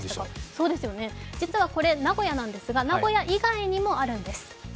実はこれ名古屋なんですが、名古屋以外にもあるんです。